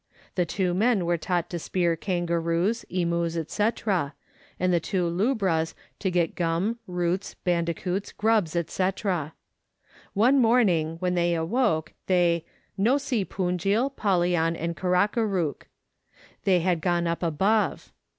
The two men were taught to spear kangaroos, emus, &c., and the two lubras to get gum, roots, bandicoots, grubs, &c. One morning, when they awoke, they " no see Punjil, Pallian, and Karakarook"; " they had gone up above."